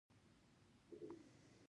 ایا زما ځیګر به ښه شي؟